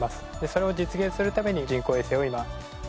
それを実現するために人工衛星を今開発しています。